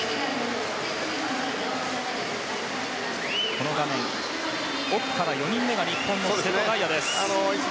この画面、奥から４人目が瀬戸大也です。